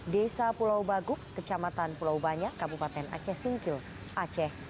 desa pulau baguk kecamatan pulau banyak kabupaten aceh singkil aceh